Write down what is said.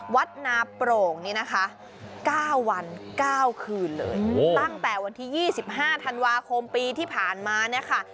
วัดนาโปร่งนี้นะคะ๙วัน๙คืนเลยตั้งแต่วันที่๒๕ธันวาคมปีที่ผ่านมาเนี่ยค่ะ